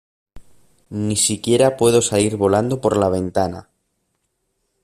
Ni siquiera puedo salir volando por la ventana.